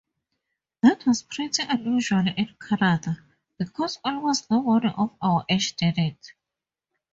That was pretty unusual in Canada, because almost nobody of our age did it.